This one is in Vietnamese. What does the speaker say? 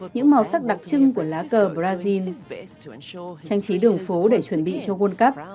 những màu sắc đặc trưng của lá cờ brazil trang trí đường phố để chuẩn bị cho world cup